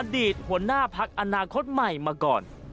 อดีตหัวหน้าพักอนาคตใหม่มาก่อน